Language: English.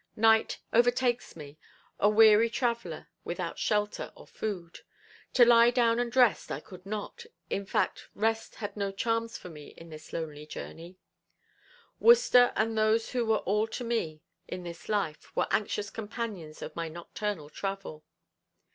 Night overtakes me, a weary traveler, without shelter or food. To lie down and rest I could not, in fact rest had no charms for me in this lonely journey. Worcester and those who were all to me in this life were anxious companions of my nocturnal travel.